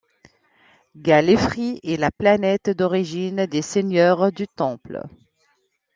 Gallifrey est la planète d'origine des Seigneurs du Temps.